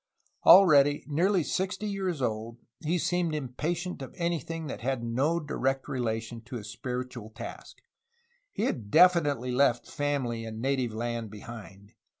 Already nearly sixty years old, he seemed impatient of anything that had no direct relation to his spiritual task. He had definitely left family and native land behind.